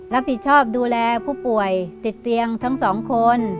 รับผิดชอบดูแลผู้ป่วยติดเตียงทั้งสองคน